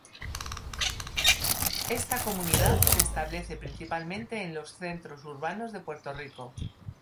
Esta comunidad se establece principalmente en los centros urbanos de Puerto Rico.